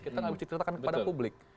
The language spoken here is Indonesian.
kita tidak bisa ceritakan kepada publik